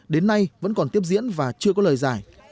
đến nay vẫn còn tiếp diễn và chưa có lời giải